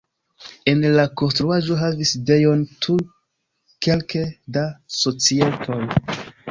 En la konstruaĵo havis sidejon tuj kelke da societoj.